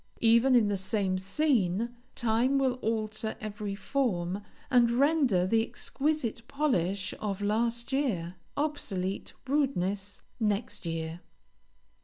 Even in the same scene, time will alter every form, and render the exquisite polish of last year, obsolete rudeness next year.